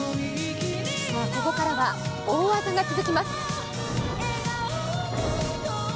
ここからは、大技が続きます。